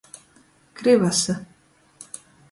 Kryvasi.